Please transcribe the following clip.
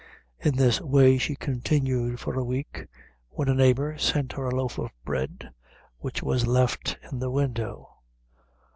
In this way she continued for a week, when a neighbor sent her a loaf of bread, which was left in the window.